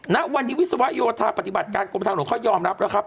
ณวันนี้วิศวโยธาปฏิบัติการกรมทางหลวงเขายอมรับแล้วครับ